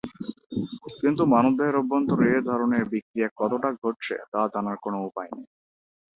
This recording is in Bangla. কিন্তু মানবদেহের অভ্যন্তরে এ ধরনের বিক্রিয়া কতটা ঘটছে তা জানার কোনো উপায় নেই।